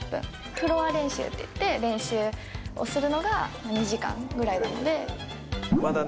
フロア練習っていって練習をするのが２時間ぐらいなので。